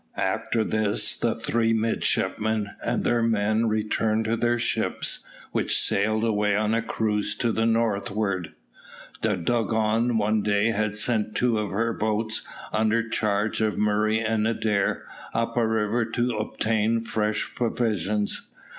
After this the three midshipmen and their men returned to their ships, which sailed away on a cruise to the northward. The Dugong one day had sent two of her boats, under charge of Murray and Adair, up a river to obtain fresh provisions.